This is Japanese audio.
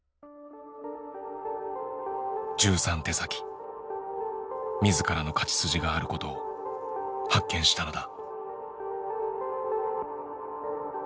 １３手先自らの勝ち筋があることを発見したのだ。